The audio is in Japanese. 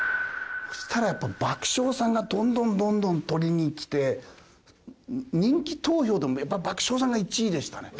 そしたらやっぱり爆笑さんがどんどんどんどんトリにきて人気投票でもやっぱり爆笑さんが１位でしたね。